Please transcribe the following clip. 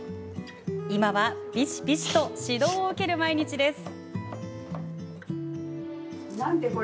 今は、びしびしと指導を受ける毎日です。